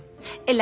何？